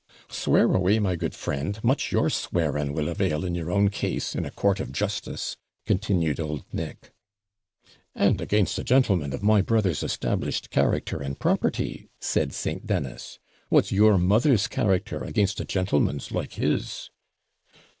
'Swear away, my good friend; much your swearing will avail in your own case in a court of justice,' continued old Nick. 'And against a gentleman of my brother's established character and property,' said St. Dennis. 'What's your mother's character against a gentleman's like his?'